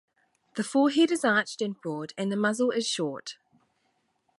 The forehead is arched and broad, and the muzzle is short.